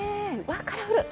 カラフル。